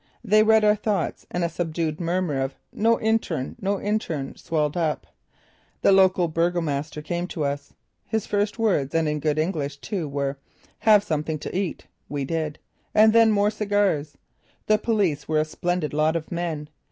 They read our thoughts and a subdued murmur of: "No intern, no intern," swelled up. The local burgomaster came to us. His first words, and in good English, too, were: "Have something to eat." We did. And then more cigars. The police were a splendid lot of men.